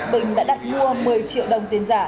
bình đã đặt mua một mươi triệu đồng tiền giả